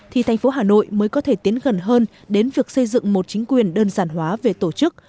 thì thành phố hà nội mới có thể tiến gần hơn đến việc xây dựng một chính quyền đơn giản hóa về tổ chức